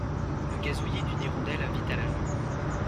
Le gazouillis d’une hirondelle invite à la joie.